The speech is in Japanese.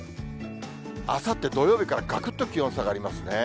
あさって土曜日からがくっと気温下がりますね。